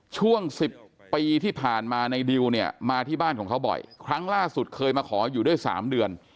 ช่วง๑๐ปีที่ผ่านมาในดิวเนี่ยมาที่บ้านของเขาบ่อยครั้งล่าสุดเคยมาขออยู่ด้วย๓เดือน